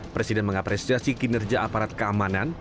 presiden mengapresiasi kinerja aparat keamanan